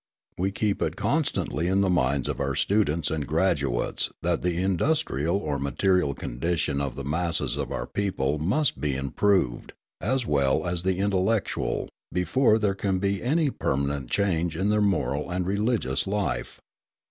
We keep it constantly in the minds of our students and graduates that the industrial or material condition of the masses of our people must be improved, as well as the intellectual, before there can be any permanent change in their moral and religious life.